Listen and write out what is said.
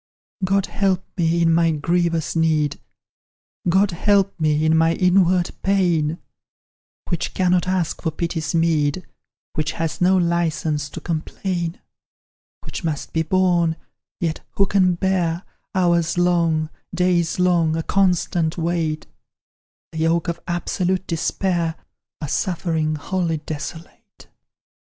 "God help me in my grievous need, God help me in my inward pain; Which cannot ask for pity's meed, Which has no licence to complain, "Which must be borne; yet who can bear, Hours long, days long, a constant weight The yoke of absolute despair, A suffering wholly desolate?